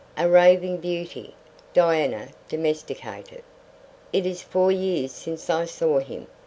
A raving beauty Diana domesticated! "It is four years since I saw him.